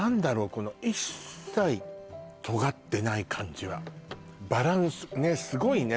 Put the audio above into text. この一切とがってない感じはバランスねすごいね